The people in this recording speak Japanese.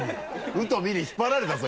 「う」と「み」に引っ張られたぞ！